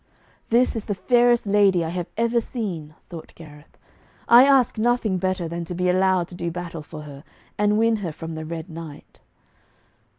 'This is the fairest lady I have ever seen,' thought Gareth. 'I ask nothing better than to be allowed to do battle for her, and win her from the Red Knight.'